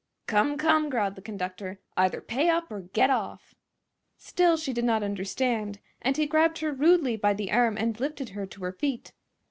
"Come, come!" growled the conductor, "either pay up or get off!" Still she did not understand, and he grabbed her rudely by the arm and lifted her to her feet.